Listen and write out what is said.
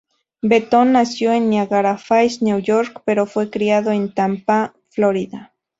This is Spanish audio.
Benton nació en Niagara Falls, New York pero fue criado en Tampa, Florida.